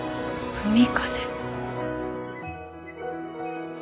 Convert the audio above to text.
海風。